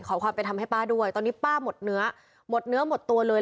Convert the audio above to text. ขอความเป็นธรรมให้ป้าด้วยตอนนี้ป้าหมดเนื้อหมดเนื้อหมดตัวเลย